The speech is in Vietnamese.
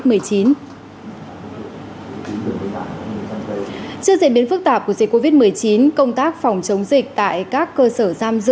trước diễn biến phức tạp của dịch covid một mươi chín công tác phòng chống dịch tại các cơ sở giam giữ